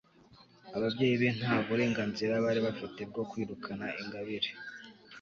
ababyeyi be ntaburenganzira bari bafite bwo kwirukana ingabire